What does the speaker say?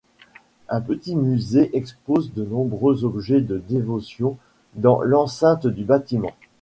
Un petit musée expose de nombreux objets de dévotion dans l'enceinte du bâtiment.